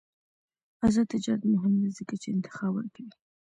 آزاد تجارت مهم دی ځکه چې انتخاب ورکوي.